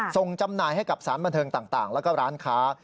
จำหน่ายให้กับสารบันเทิงต่างแล้วก็ร้านค้า